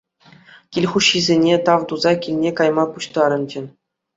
Кил хуҫисене тав туса килне кайма пуҫтарӑнчӗ.